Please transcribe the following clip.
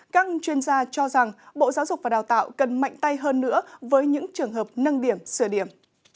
các chuyên gia cho rằng bộ giáo dục và đào tạo cần mạnh tay hơn nữa với những trường hợp nâng điểm sửa điểm